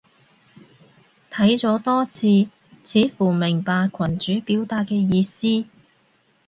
睇咗多次，似乎明白群主表達嘅意思